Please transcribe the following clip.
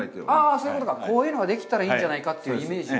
そういうことか、こういうのができたらいいんじゃないかというイメージ。